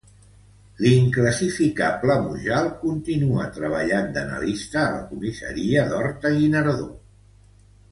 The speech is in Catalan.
L'inclassificable Mujal continua treballant d'analista a la comissaria d'Horta-Guinardó.